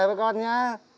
để bố con nha